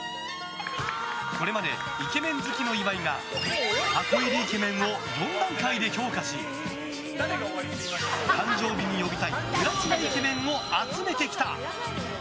これまでイケメン好きの岩井が箱入りイケメンを４段階で評価し誕生日に呼びたいプラチナイケメンを集めてきた。